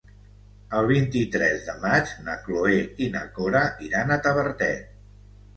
El vint-i-tres de maig na Cloè i na Cora iran a Tavertet.